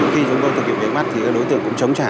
khi chúng tôi thực hiện biến bắt thì đối tượng cũng chống trả